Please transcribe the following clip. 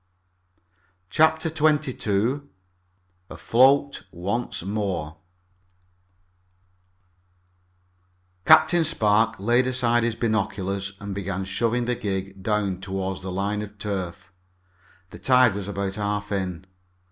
CHAPTER XXII AFLOAT ONCE MORE Captain Spark laid aside his binoculars and began shoving the gig down toward the line of surf. The tide was about half in.